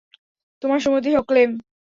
তোমার সুমতি হোক, ক্লেম।